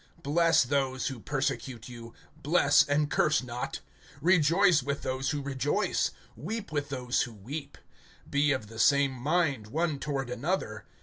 (14)Bless those who persecute you; bless, and curse not. (15)Rejoice with those who rejoice; weep with those who weep. (16)Be of the same mind one toward another.